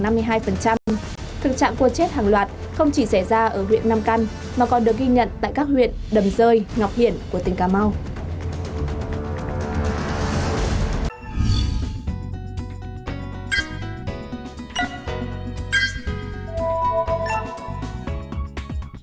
thực trạng cua chết hàng loạt không chỉ xảy ra ở huyện nam căn mà còn được ghi nhận tại các huyện đầm rơi ngọc hiển của tỉnh cà mau